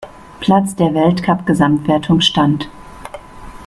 Platz der Weltcup-Gesamtwertung stand.